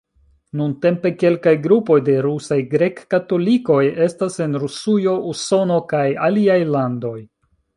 Nuntempe kelkaj grupoj de rusaj grek-katolikoj estas en Rusujo, Usono kaj aliaj landoj.